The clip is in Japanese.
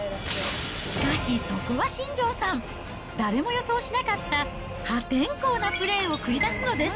しかし、そこは新庄さん、誰も予想しなかった破天荒なプレーを繰り出すのです。